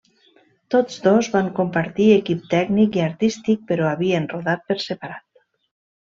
Tots dos van compartir equip tècnic i artístic, però havien rodat per separat.